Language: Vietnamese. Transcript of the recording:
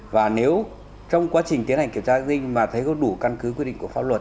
và nếu trong quá trình tiến hành kiểm tra an ninh mà thấy có đủ căn cứ quy định của pháp luật